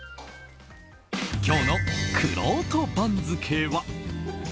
今日のくろうと番付は。